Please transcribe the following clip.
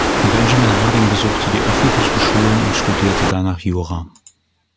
Benjamin Harding besuchte die öffentlichen Schulen und studierte danach Jura.